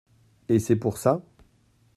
Et c’est pour ça ?…